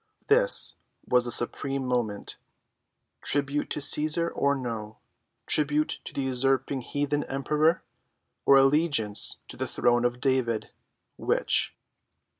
This was the supreme moment. Tribute to Cæsar, or no? Tribute to the usurping heathen emperor, or allegiance to the throne of David—which?